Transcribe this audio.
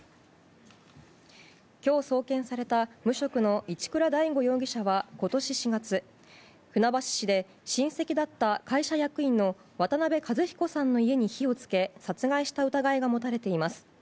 今日送検された無職の一倉大悟容疑者は今年４月、船橋市で親戚だった会社役員の渡辺和彦さんの家に火を付け殺害した疑いが持たれています。